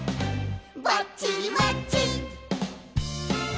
「バッチリマッチ！」